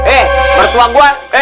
eh bantuan gue